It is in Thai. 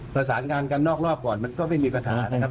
ประสานงานกันนอกรอบก่อนมันก็ไม่มีปัญหานะครับ